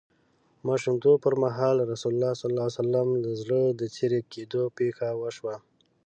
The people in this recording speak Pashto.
ماشومتوب پر مهال رسول الله ﷺ د زړه د څیری کیدو پېښه وشوه.